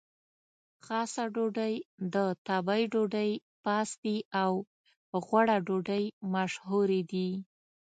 خاصه ډوډۍ، د تبۍ ډوډۍ، پاستي او غوړه ډوډۍ مشهورې دي.